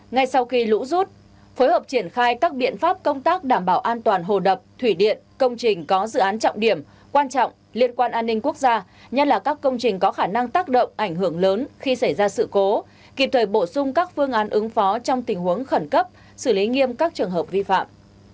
ngay sau khi lũ rút phối hợp triển khai các biện pháp công tác đảm bảo an toàn hồ đập thủy điện công trình có dự án trọng điểm quan trọng liên quan an ninh quốc gia nhân là các công trình có khả năng tác động ảnh hưởng lớn khi xảy ra sự cố kịp thời bổ sung các phương án ứng phó trong tình huống khẩn cấp xử lý nghiêm các trường hợp vi phạm